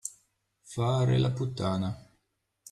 Fare la puttana.